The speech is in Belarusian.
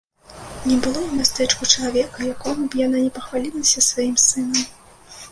Не было ў мястэчку чалавека, якому б яна не пахвалілася сваім сынам.